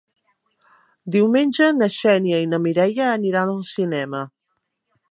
Diumenge na Xènia i na Mireia aniran al cinema.